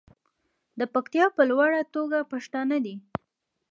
د پکتیکا په لوړه توګه پښتانه دي.